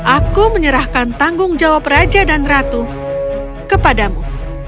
aku menyerahkan tanggung jawab raja dan ratu kepadamu